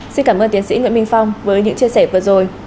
xin cảm ơn tiến sĩ nguyễn minh phong với những chia sẻ vừa rồi